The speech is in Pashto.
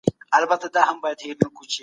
موږ وخت بيا نه تکراروو.